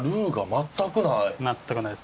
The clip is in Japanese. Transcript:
全くないです。